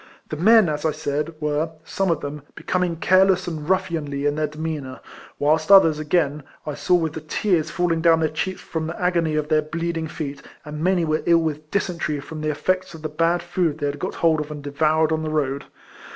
The men, as I said, were, some of them, becoming care less and ruffianly in their demeanour ; whilst others, again, I saw with the tears falling down their cheeks from the agony of their bleeding feet, and many were ill with dy sentery from the eifects of the bad food they had got hold of and devoured on the road.